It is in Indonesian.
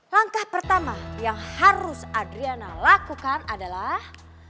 langkah pertama yang harus adriana lakukan adalah